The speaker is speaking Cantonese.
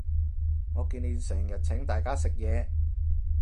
我見你成日請大家食嘢